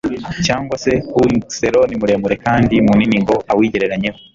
cyangwa se 'uun-xeroni muremure kandi munini ngo awigereranyeho,